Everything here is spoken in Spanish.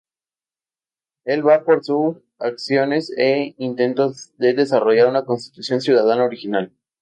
Él va por su acciones e intentos de desarrollar una “Constitución Ciudadana original".